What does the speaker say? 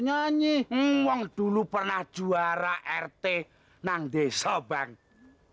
nasib tidak diuntung udah tua belum pengebini